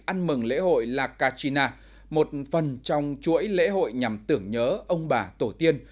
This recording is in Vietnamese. ăn mừng lễ hội la cachina một phần trong chuỗi lễ hội nhằm tưởng nhớ ông bà tổ tiên